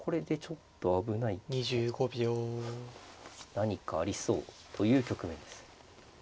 何かありそうという局面です。